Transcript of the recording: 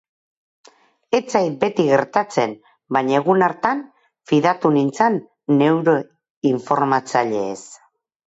Ez zait beti gertatzen, baina egun hartan fidatu nintzen neure informatzaileez.